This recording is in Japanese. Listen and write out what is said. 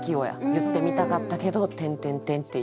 「言ってみたかったけど」っていう。